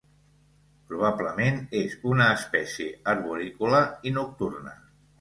Probablement és una espècie arborícola i nocturna.